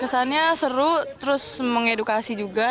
kesannya seru terus mengedukasi juga